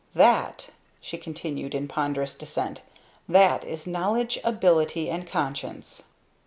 "That," she continued in ponderous descent, "that is Knowledge, Ability and Conscience!"